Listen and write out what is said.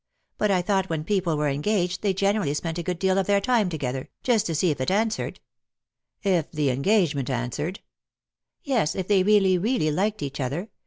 But I thought when people were engaged, they generally spent a good deal of their time together, just to see if it answered." Lost to/ u^ove. 167 " If the engagement answered f "" Yes, if they really, really liked each other.